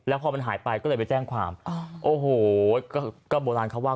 พอมันหายไปก็เลยไปแจ้งความโอ้โหก็โบราณเขาว่า